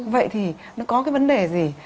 vậy thì nó có cái vấn đề gì